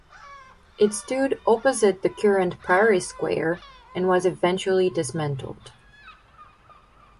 It stood opposite the current Priory Square and was eventually dismantled.